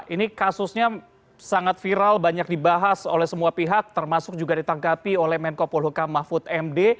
ini kasusnya sangat viral banyak dibahas oleh semua pihak termasuk juga ditangkapi oleh menko polhukam mahfud md